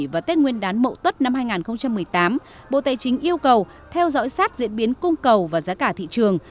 và tết nguyên đán mậu tuất năm hai nghìn một mươi tám bộ tài chính yêu cầu theo dõi sát diễn biến cung cầu và giá cả thị trường